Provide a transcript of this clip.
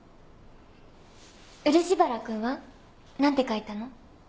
漆原君は？何て書いたの？